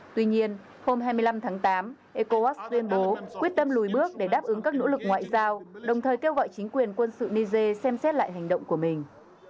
tuy nhiên hôm hai mươi năm tháng tám ecowas tuyên bố quyết tâm lùi bước để đáp ứng các nỗ lực ngoại giao đồng thời kêu gọi chính quyền quân sự niger xem xét lại hành động của mình